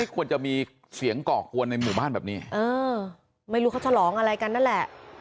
กวนในหมู่บ้านแบบนี้เออไม่รู้เขาฉลองอะไรกันนั่นแหละ